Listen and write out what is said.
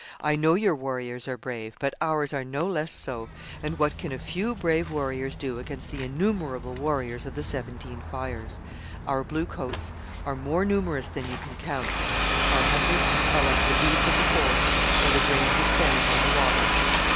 I know your warriors are brave, but ours are not less so; and what can a few brave warriors do against the innumerable warriors of the Seventeen Fires? Our blue coats are more numerous than you can count; our hunters are like the leaves of the forest, or the grains of sand on the Wabash.